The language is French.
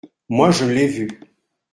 Moi, je l’ai vu.